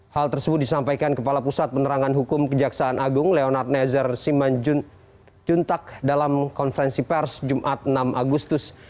hal tersebut disampaikan kepala pusat penerangan hukum kejaksaan agung leonard nezer siman juntak dalam konferensi pers jumat enam agustus